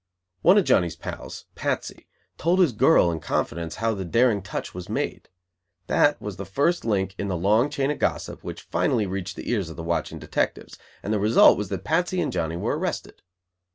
One of Johnny's pals, Patsy, told his girl in confidence how the daring "touch" was made. That was the first link in the long chain of gossip which finally reached the ears of the watching detectives; and the result was that Patsy and Johnny were arrested.